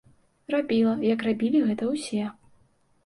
Рабіла, як рабілі гэта ўсе.